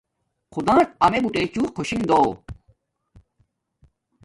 خدان امیے بوٹچوں خوشنگ دو